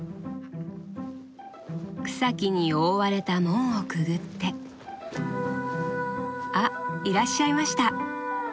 草木に覆われた門をくぐってあっいらっしゃいました。